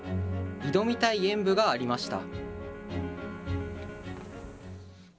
挑みたい演舞がありました。